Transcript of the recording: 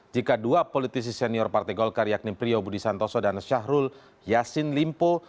jika dua politisi senior partai golkar yakni priyo budi santoso dan syahrul yassin limpo